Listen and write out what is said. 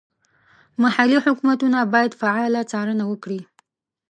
محلي حکومتونه باید فعاله څارنه وکړي.